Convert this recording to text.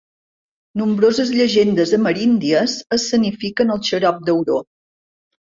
Nombroses llegendes ameríndies escenifiquen el xarop d'auró.